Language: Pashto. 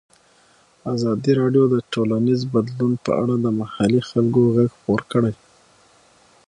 ازادي راډیو د ټولنیز بدلون په اړه د محلي خلکو غږ خپور کړی.